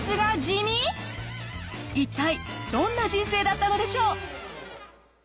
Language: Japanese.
一体どんな人生だったのでしょう？